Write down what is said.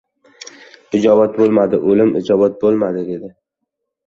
— Ijobat bo‘lmadi, ulim, ijobat bo‘lmadi, — dedi.